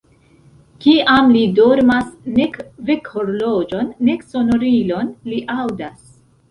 Kiam li dormas, nek vekhorloĝon, nek sonorilon li aŭdas.